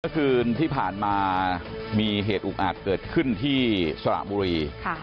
คืนที่ผ่านมามีเหตุอุกอาจเกิดขึ้นที่สระบุรี